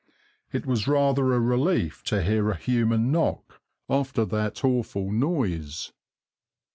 It was rather a relief to hear a human knock after that awful noise.